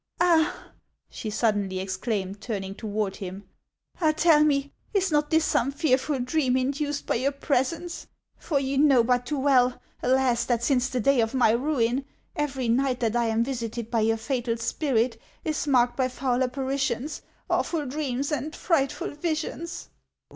" Ah !" she suddenly exclaimed, turning toward him ;" ah, tell me, is not this some fearful dream induced by your presence ? For you know but too well, alas ! that since the day of my ruin, every night that I am visited by your fatal spirit is marked by foul apparitions, awful dreams, and frightful visions."